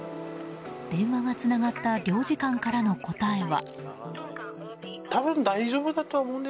電話がつながった領事館からの答えは。